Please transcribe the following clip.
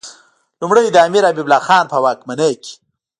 لومړی د امیر حبیب الله خان په واکمنۍ کې.